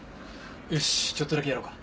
よしちょっとだけやろうか。